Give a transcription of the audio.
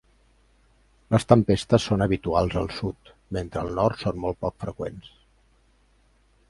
Les tempestes són habituals al sud, mentre al nord són molt poc freqüents.